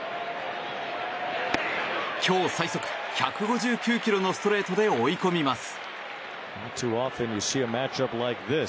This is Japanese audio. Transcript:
今日最速１５９キロのストレートで追い込みます。